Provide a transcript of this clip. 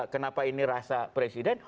kenapa ini rasa presiden